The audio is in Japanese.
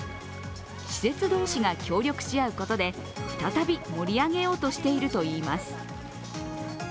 施設同士が協力し合うことで再び盛り上げようとしているといいます。